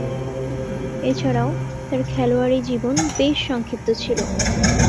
এছাড়াও, তার খেলোয়াড়ী জীবন বেশ সংক্ষিপ্ত ছিল।